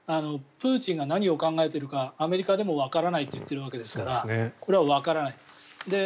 プーチンが何を考えているかアメリカでもわからないと言っているわけですからこれはわからない。